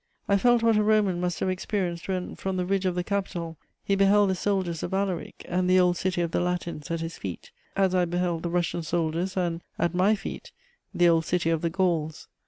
I felt what a Roman must have experienced when, from the ridge of the Capitol, he beheld the soldiers of Alaric and the old city of the Latins at his feet, as I beheld the Russian soldiers and, at my feet, the old city of the Gauls.